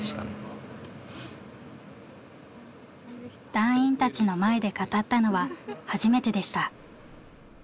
団員たちの前で語ったのは初めてでした。